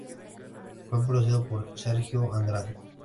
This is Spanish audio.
Fue producido por Sergio Andrade.